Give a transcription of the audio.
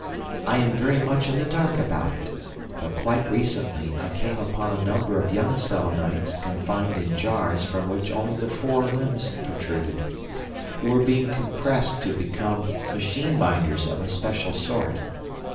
I am very much in the dark about it, but quite recently I came upon a number of young Selenites confined in jars from which only the fore limbs protruded, who were being compressed to become machine minders of a special sort.